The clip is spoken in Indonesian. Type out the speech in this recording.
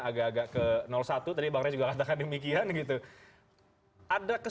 agak agak ke stephen juga module nomikion itu ada kesulitan tidak eh mas didi untuk untuk menentukan